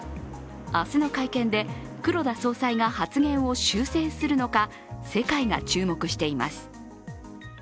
明日の会見で黒田総裁が発言を修正するのか世界が注目しています。